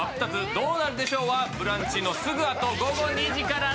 どうなるでＳＨＯＷ」はブランチのすぐあと午後２時から。